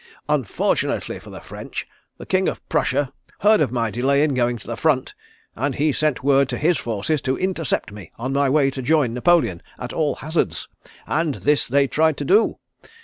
Unfortunately for the French, the King of Prussia heard of my delay in going to the front, and he sent word to his forces to intercept me on my way to join Napoleon at all hazards, and this they tried to do.